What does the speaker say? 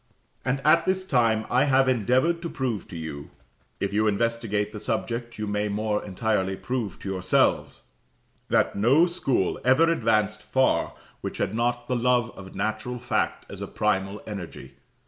And at this time I have endeavoured to prove to you if you investigate the subject you may more entirely prove to yourselves that no school ever advanced far which had not the love of natural fact as a primal energy.